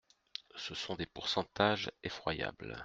Ce sont des pourcentages effroyables.